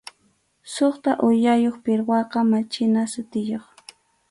Suqta uyayuq pirwaqa machina sutiyuq.